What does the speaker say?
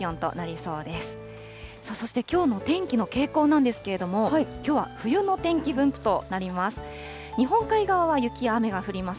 そして、きょうの天気の傾向なんですけれども、きょうは冬の天気分布となります。